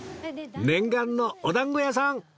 念願のおだんご屋さん